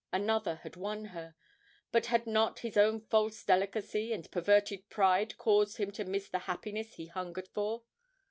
Another had won her, but had not his own false delicacy and perverted pride caused him to miss the happiness he hungered for?